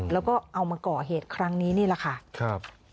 แล้วก็เอามาก่อเหตุครั้งนี้นี่แหละค่ะครับ